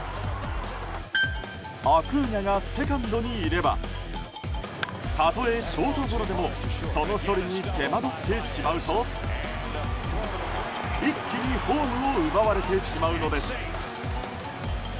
アクーニャがセカンドにいればたとえショートゴロでもその処理に手間どってしまうと一気にホームを奪われてしまうのです。